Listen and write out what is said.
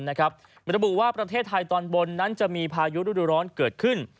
ระบุว่าประเทศไทยตอนบนนั้นจะมีพายุฤดูร้อนเกิดขึ้น